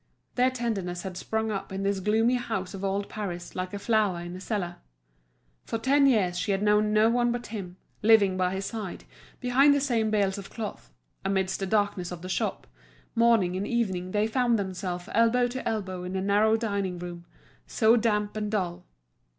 Their tenderness had sprung up in this gloomy house of old Paris like a flower in a cellar. For ten years she had known no one but him, living by his side, behind the same bales of cloth, amidst the darkness of the shop; morning and evening they found themselves elbow to elbow in the narrow dining room, so damp and dull.